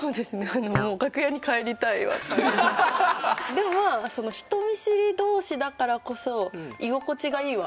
でも人見知り同士だからこそ居心地がいいはあります。